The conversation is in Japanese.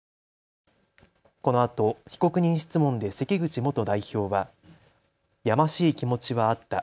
このあと被告人質問で関口元代表はやましい気持ちはあった。